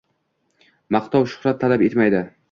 Maqtov, shuhrat talab etmaydi.